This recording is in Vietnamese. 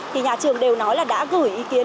thì nhà trường đều nói là đã gửi ý kiến